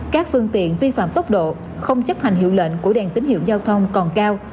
các phương tiện vi phạm tốc độ không chấp hành hiệu lệnh của đèn tín hiệu giao thông còn cao